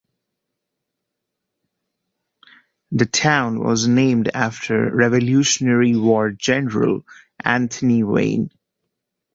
The town was named after Revolutionary War General Anthony Wayne.